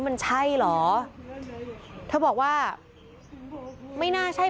พวกมันต้องกินกันพี่